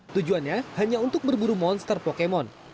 tujuannya hanya untuk berburu monster pokemon